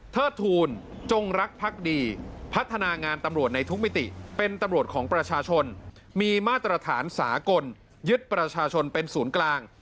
เทิดทูลจงรักพักดีพัฒนางานตำรวจในทุกมิติเป็นตำรวจของประชาชนมีมาตรฐานสากลยึดประชาชนเป็นศูนย์กลาง